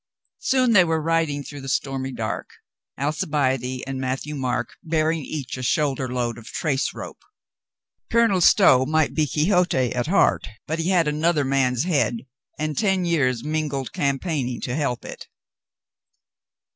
Soon they were riding through the stormy dark, Alcibiade and Matthieu Marc bearing each a shoul der load of trace rope. Colonel Stow might be Quixote at heart, but he had another man's head and ten years' mingled campaigning to help it.